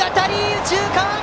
右中間！